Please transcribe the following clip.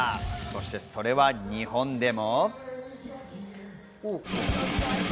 そして、それは日本でも。